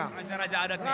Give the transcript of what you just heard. raja raja adat ya